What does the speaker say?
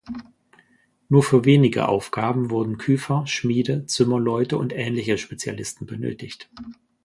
Nur für wenige Aufgaben wurden Küfer, Schmiede, Zimmerleute und ähnliche Spezialisten benötigt.